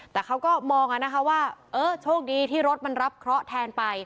แต่เขาก็มองนะคะว่าเออโชคดีที่รถมันรับเคราะห์แทนไป